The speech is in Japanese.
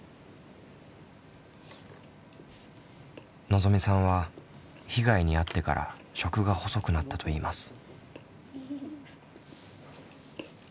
のぞみさんは被害に遭ってから食が細くなったといいます。